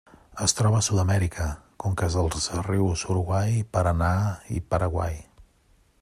Es troba a Sud-amèrica: conques dels rius Uruguai, Paranà i Paraguai.